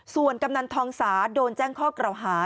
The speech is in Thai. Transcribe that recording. ส่วนกำนันทองสาโดนแจ้งข้อกล่าวหา